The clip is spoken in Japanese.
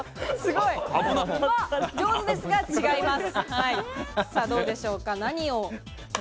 上手ですが違います。